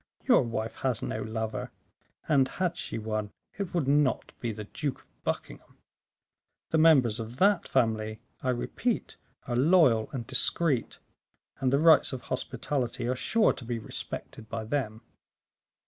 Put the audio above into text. Your wife has no lover; and, had she one, it would not be the Duke of Buckingham. The members of that family, I repeat, are loyal and discreet, and the rights of hospitality are sure to be respected by them."